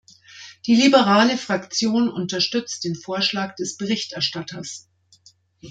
Die liberale Fraktion unterstützt den Vorschlag des Berichterstatters.